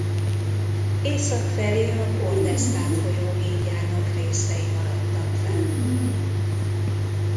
Észak felé a Kordesztán folyó hídjának részei maradtak fenn.